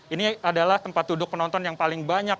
ini adalah tempat duduk penonton yang paling banyak